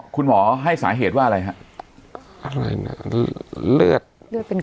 คุณหมอให้สาเหตุว่าอะไรฮะ